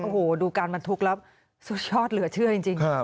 โอ้โหดูการบรรทุกแล้วสุดยอดเหลือเชื่อจริง